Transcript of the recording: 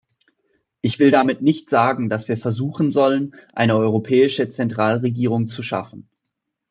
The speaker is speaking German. Ich will damit nicht sagen, dass wir versuchen sollen, eine europäische Zentralregierung zu schaffen.